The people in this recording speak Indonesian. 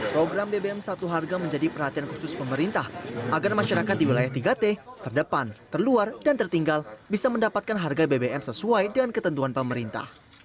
program bbm satu harga menjadi perhatian khusus pemerintah agar masyarakat di wilayah tiga t terdepan terluar dan tertinggal bisa mendapatkan harga bbm sesuai dengan ketentuan pemerintah